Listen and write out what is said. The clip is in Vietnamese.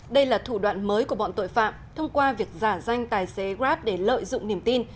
đây là thủ đoạn mới của bọn tội phạm thông qua việc giả danh tài xế grab để lợi dụng niềm tin